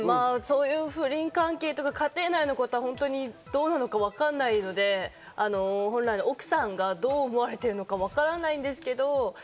不倫関係とか家庭内のことは、どうなのかわからないので奥さんがどう思われているのかもわからないんですけど。